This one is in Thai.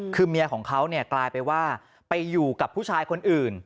คือเมียของเขาเนี่ยกลายเป็นว่าไปอยู่กับผู้ชายคนอื่น